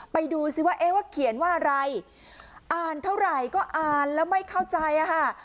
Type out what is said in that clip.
ไปดูซิว่าเอ๊ะว่าเขียนว่าอะไรอ่านเท่าไหร่ก็อ่านแล้วไม่เข้าใจอ่ะค่ะ